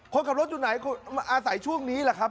คนขับรถอยู่ไหนอาศัยช่วงนี้แหละครับ